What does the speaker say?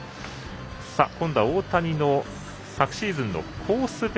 今度は大谷の昨シーズンのコース